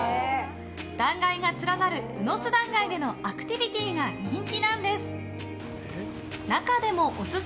断崖が連なる場所でのアクティビティーが人気なんです。